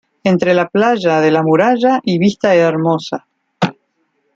Entre la Playa de La Muralla y Vistahermosa.